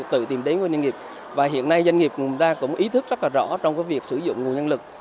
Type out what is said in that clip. chúng tôi tự tìm đến doanh nghiệp và hiện nay doanh nghiệp của người ta cũng ý thức rất rõ trong việc sử dụng nguồn nhân lực